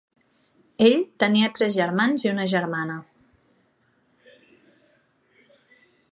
Ell tenia tres germans i una germana.